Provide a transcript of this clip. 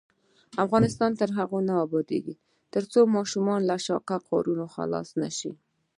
افغانستان تر هغو نه ابادیږي، ترڅو ماشومان له شاقه کارونو خلاص نشي.